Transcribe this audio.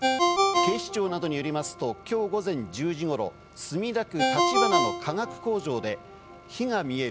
警視庁などによりますと今日午前１０時頃、墨田区立花の化学工場で、火が見える。